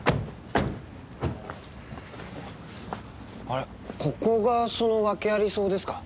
あれここがそのワケあり荘ですか？